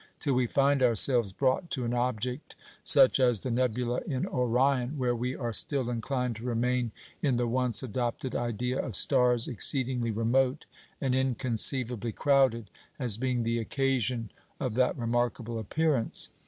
till we find ourselves brought to an object such as the nebula in Orion, where we are still inclined to remain in the once adopted idea of stars exceedingly remote and inconceivably crowded, as being the occasion of that remarkable appearance.